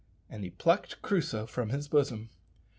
and he plucked Crusoe from his bosom.